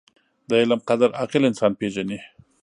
• د علم قدر، عاقل انسان پېژني.